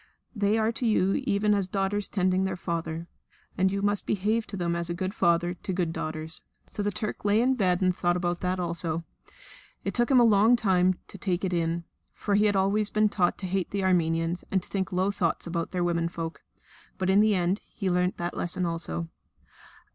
They are to you even as daughters tending their father; and you must behave to them as a good father to good daughters." So the Turk lay in bed and thought about that also. It took him a long time to take it in, for he had always been taught to hate the Armenians and to think low thoughts about their womenfolk. But in the end he learnt that lesson also.